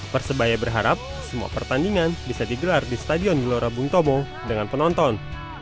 persebaya berharap semua pertandingan bisa digelar di stadion gelora bung tomo dengan penonton